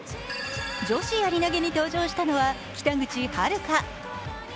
女子やり投に登場したのは北口榛花。